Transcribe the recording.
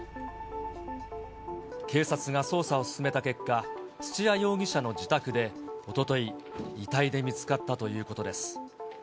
警察が捜査を進めた結果、土屋容疑者の自宅でおととい、遺体で見つかったということです。